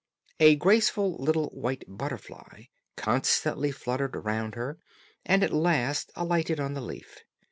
A graceful little white butterfly constantly fluttered round her, and at last alighted on the leaf.